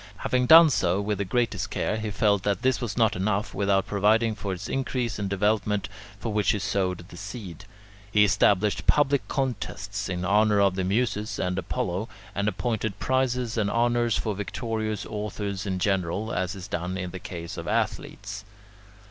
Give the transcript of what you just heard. Having done so with the greatest care, he felt that this was not enough without providing for its increase and development, for which he sowed the seed. He established public contests in honour of the Muses and Apollo, and appointed prizes and honours for victorious authors in general, as is done in the case of athletes.